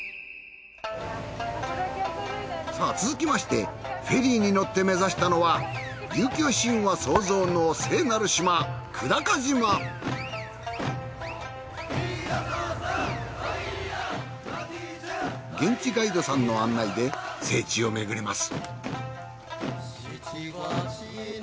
さあ続きましてフェリーに乗って目指したのは琉球神話創造の聖なる島現地ガイドさんの案内で聖地を巡ります。